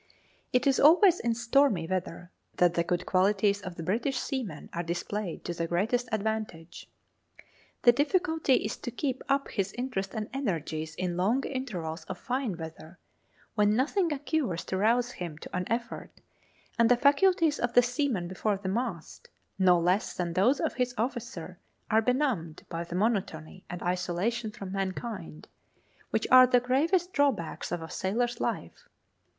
It is always in stormy weather that the good qualities of the British seaman are displayed to the greatest advantage. The difficulty is to keep up his interest and energies in long intervals of fine weather, when nothing occurs to rouse him to an effort, and the faculties of the seaman before the mast, no less than those of his officer, are benumbed by the monotony and isolation from mankind, which are the gravest drawbacks of a sailor's life.